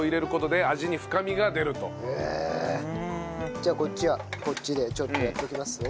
じゃあこっちはこっちでちょっとやっておきますね。